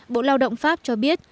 bộ lao động pháp cho biết